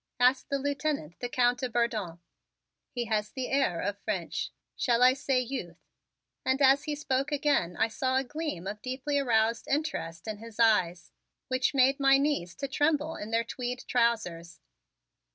asked the Lieutenant, the Count de Bourdon. "He has the air of French shall I say, youth?" And as he spoke again I saw a gleam of deeply aroused interest in his eyes which made my knees to tremble in their tweed trousers.